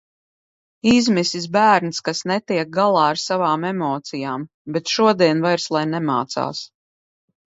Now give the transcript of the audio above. Izmisis bērns, kas netiek galā ar savām emocijām. Bet šodien vairs lai nemācās.